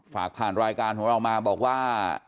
ฝากผ่านรายการของเรามาบอกว่า